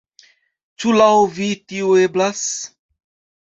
Ĉu laŭ vi tio eblas?